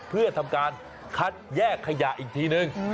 เพื่อทำการคัดแยกขยะอีกทีนึง